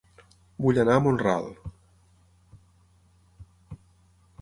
Vull anar a Mont-ral